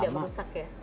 tidak merusak ya